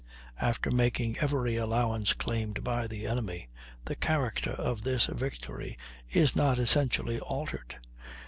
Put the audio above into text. "After making every allowance claimed by the enemy, the character of this victory is not essentially altered.